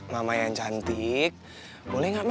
mama yang cantik boleh gak ma